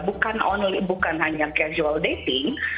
bukan only bukan hanya casual dating